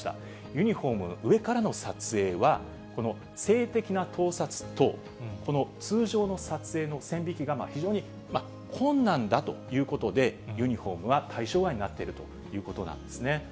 ユニホームの上からの撮影は、この性的な盗撮と、この通常の撮影の線引きが非常に困難だということで、ユニホームは対象外になっているということなんですね。